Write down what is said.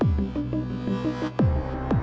terima kasih juga pak alex